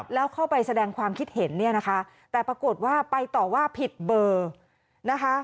แล้วเข้าไปแสดงความคิดเห็นเนี่ยนะคะแต่ปรากฏว่าไปต่อว่าผิดเบอร์นะคะ